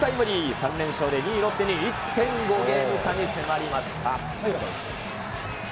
３連勝で２位ロッテに１．５ゲーム差に迫りました。